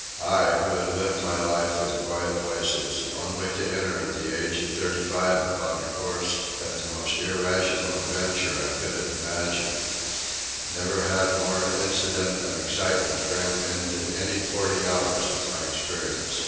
I, who had lived my life in quiet places, only to enter at the age of thirty five upon a course of the most irrational adventure I could have imagined, never had more incident and excitement crammed into any forty hours of my experience.